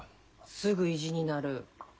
すぐ意地になる。